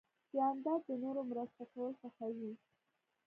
جانداد د نورو مرسته کول خوښوي.